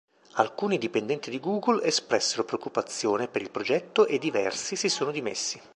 Alcuni dipendenti di Google espressero preoccupazione per il progetto e diversi si sono dimessi.